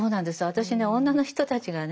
私ね女の人たちがね